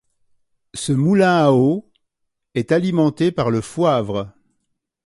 Ce moulin à eau est alimenté par le Foivre.